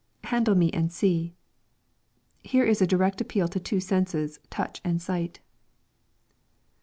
[Handle me and see.] Here is a direct appeal to two senses, touch and sight.